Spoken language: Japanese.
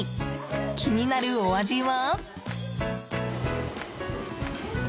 気になるお味は。